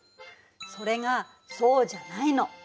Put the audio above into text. それがそうじゃないの。